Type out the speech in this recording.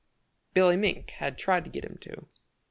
Billy Mink had tried to get him to.